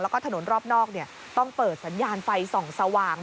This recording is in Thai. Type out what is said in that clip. แล้วก็ถนนรอบนอกต้องเปิดสัญญาณไฟส่องสว่าง